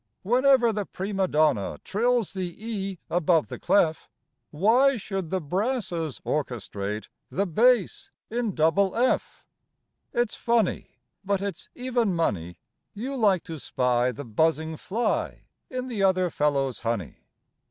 Whenever the prima donna trills the E above the clef, Why should the brasses orchestrate the bass in double f? It's funny, But it's even money, You like to spy the buzzing fly in the other fellow's honey.